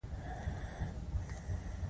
زده کړه نجونو ته د امید درس ورکوي.